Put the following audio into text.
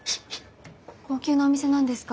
高級なお店なんですか？